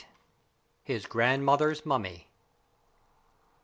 HIS GRANDMOTHER'S MUMMY.